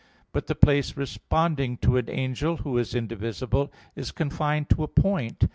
But the place responding to an angel, who is indivisible, is confined to a point.